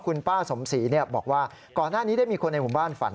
คุณป้าสมศรีบอกว่าก่อนหน้านี้ได้มีคนในหมู่บ้านฝัน